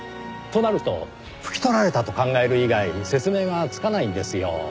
となると拭き取られたと考える以外に説明がつかないんですよ。